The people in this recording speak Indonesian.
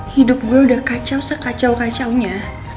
hidup gue udah kacau sekacau kacaunya